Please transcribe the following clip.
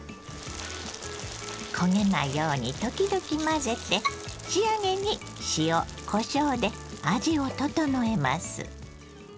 焦げないように時々混ぜて仕上げに塩こしょうで味を調えます。